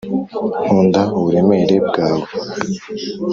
nkunda uburemere bwawe.